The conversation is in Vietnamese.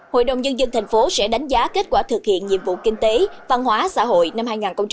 hội đồng nhân dân thành phố sẽ đánh giá kết quả thực hiện nhiệm vụ kinh tế văn hóa xã hội năm hai nghìn một mươi chín